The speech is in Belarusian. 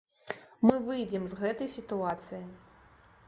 Мы выйдзем з гэтай сітуацыі.